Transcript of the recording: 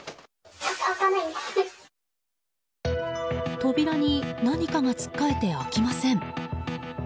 扉に何かがつっかえて開きません。